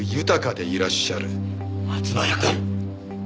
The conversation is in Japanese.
松原くん。